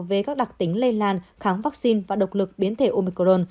về các đặc tính lây lan kháng vaccine và độc lực biến thể omicron